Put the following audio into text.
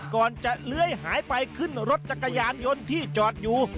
ก่อนจะเลื้อยหายไปขึ้นรถจักรยานยนต์ที่จอดอยู่